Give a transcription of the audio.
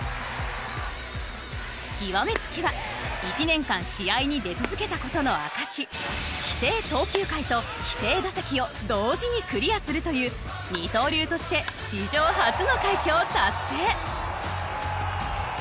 極め付きは１年間試合に出続けた事の証し規定投球回と規定打席を同時にクリアするという二刀流として史上初の快挙を達成！